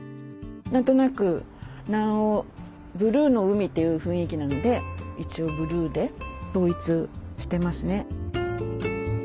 何となく南欧ブルーの海という雰囲気なので一応ブルーで統一してますね。